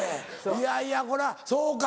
いやいやこれはそうか。